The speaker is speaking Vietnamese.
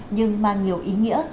nhưng mang nhiều ý nghĩa